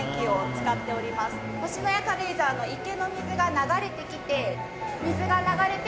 星のや軽井沢の池の水が流れてきて水が流れて